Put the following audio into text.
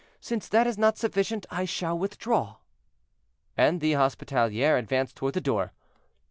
Since that is not sufficient, I shall withdraw." And the hospitaliere advanced toward the door.